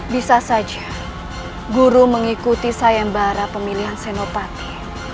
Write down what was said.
bisa saja guru mengikuti sayembara pemilihan senopati